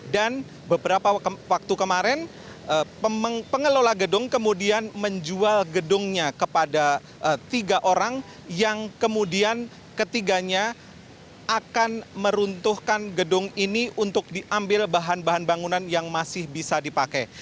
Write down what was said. dan beberapa waktu kemarin pengelola gedung kemudian menjual gedungnya kepada tiga orang yang kemudian ketiganya akan meruntuhkan gedung ini untuk diambil bahan bahan bangunan yang masih bisa dipakai